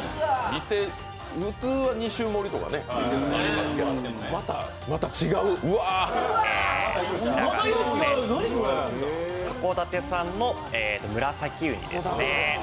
普通は２種盛りとかありますけどまた違う函館産のムラサキうにですね。